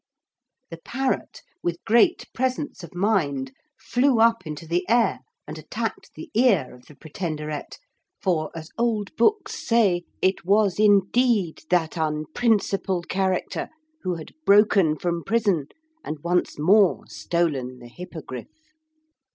The parrot, with great presence of mind, flew up into the air and attacked the ear of the Pretenderette, for, as old books say, it was indeed that unprincipled character who had broken from prison and once more stolen the Hippogriff.